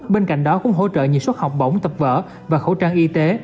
bên cạnh đó cũng hỗ trợ nhiều suất học bổng tập vở và khẩu trang y tế